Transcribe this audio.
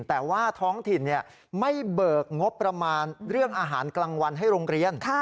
แต่ว่าท้องถิ่นไม่เบิกงบประมาณเรื่องอาหารกลางวันให้โรงเรียน